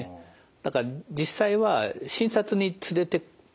だから実際は診察に連れていく。